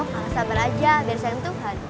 orang sabar aja biar disayang tuhan